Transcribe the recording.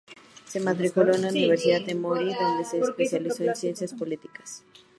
Se matriculó en la Universidad Emory, donde se especializó en ciencias políticas.